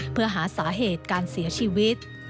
เพื่อหาสาเหตุการเสียชีวิต